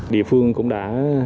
địa phương cũng đã